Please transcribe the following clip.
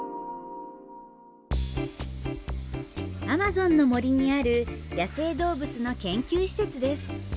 アマゾンの森にある野生動物の研究施設です。